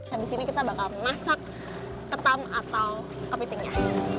habis ini kita bakal masak ketam atau kepitingnya